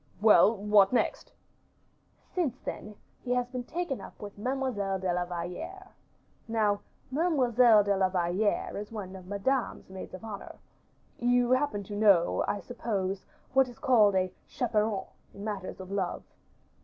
"Well, what next?" "Since then, he has been taken up with Mademoiselle de la Valliere. Now, Mademoiselle de la Valliere is one of Madame's maids of honor. You happen to know, I suppose, what is called a chaperon in matters of love.